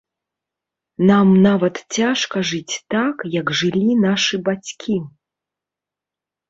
Нам нават цяжка жыць так, як жылі нашы бацькі.